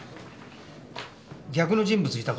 逆の人物いたか？